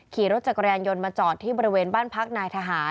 ขี่รถจักรยานยนต์มาจอดที่บริเวณบ้านพักนายทหาร